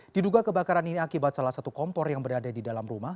diduga kebakaran ini akibat salah satu kompor yang berada di dalam rumah